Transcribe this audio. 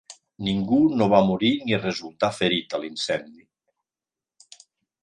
Ningú no va morir ni resultar ferit a l'incendi.